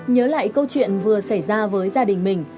nhớ lại câu chuyện vừa xảy ra với gia đình mình